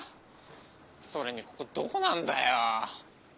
それにここどこなんだよ。